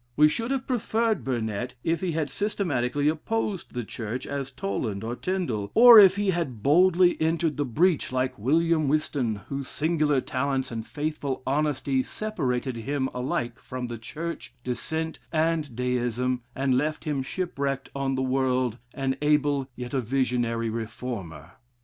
We should have preferred Burnet if he had systematically opposed the Church as Toland or Tindal, or if he had boldly entered the breach like William Whiston, whose singular talents and faithful honesty separated him alike from the Church, Dissent, and Deism, and left him shipwrecked on the world an able yet a visionary reformer.